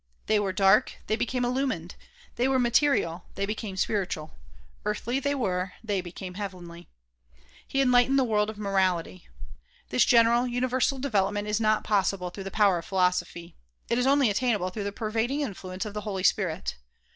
They were dark, they became illu mined; they were material, they became spiritual; earthly they were, they became heavenly. He enlightened the world of morality. This general, universal development is not possible through the power of philosophy. It is only attainable through the pervading influence of the Holy Spirit.